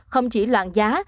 không chỉ loạn giá